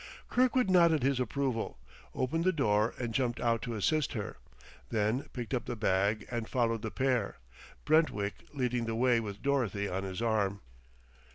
Kirkwood nodded his approval, opened the door and jumped out to assist her; then picked up the bag and followed the pair, Brentwick leading the way with Dorothy on his arm.